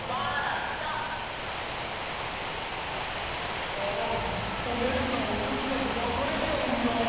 あほめるかおこるかにわかれちゃうんだ！